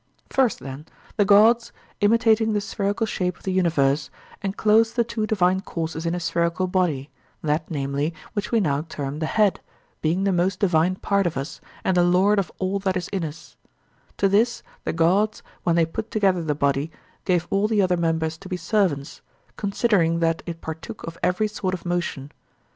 First, then, the gods, imitating the spherical shape of the universe, enclosed the two divine courses in a spherical body, that, namely, which we now term the head, being the most divine part of us and the lord of all that is in us: to this the gods, when they put together the body, gave all the other members to be servants, considering that it partook of every sort of motion.